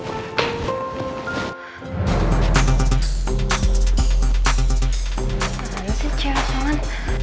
mana sih cewek asongan